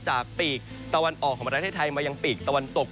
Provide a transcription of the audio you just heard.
ปีกตะวันออกของประเทศไทยมายังปีกตะวันตก